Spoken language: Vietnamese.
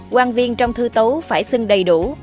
quang viên trong thư tấu phải xưng đầy đủ